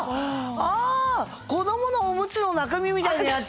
あ子どものおむつの中身みたいなやつ。